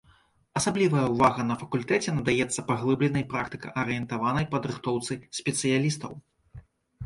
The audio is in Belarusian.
Асаблівая ўвага на факультэце надаецца паглыбленай практыка-арыентаванай падрыхтоўцы спецыялістаў.